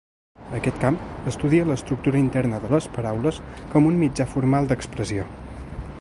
Aquest camp estudia l’estructura interna de les paraules com un mitjà formal d’expressió.